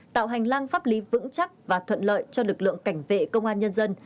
tạo hành lang pháp lý vững chắc và thuận lợi cho lực lượng cảnh vệ công an nhân dân